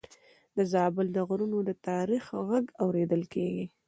د زابل له غرونو د تاریخ غږ اورېدل کېږي.